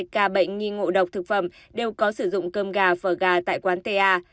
hai trăm hai mươi hai ca bệnh nghi ngộ độc thực phẩm đều có sử dụng cơm gà phở gà tại quán ta